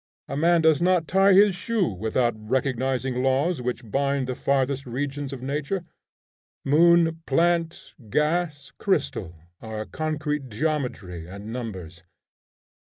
A man does not tie his shoe without recognizing laws which bind the farthest regions of nature: moon, plant, gas, crystal, are concrete geometry and numbers.